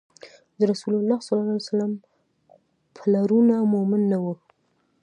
د رسول الله ﷺ پلرونه مؤمن نه وو